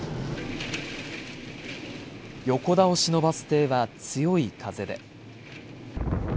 横倒しのバス停は強い風で。